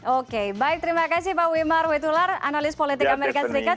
oke baik terima kasih pak wimar wetular analis politik amerika serikat